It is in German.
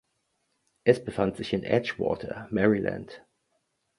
Es befindet sich in Edgewater, Maryland.